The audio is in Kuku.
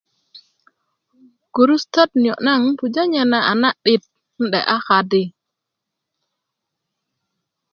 gurusutöt niyo' naŋ nan pujö nye na a na'dit 'nde'ya kadi